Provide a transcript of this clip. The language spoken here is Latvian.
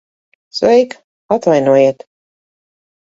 Sveika. Atvainojiet...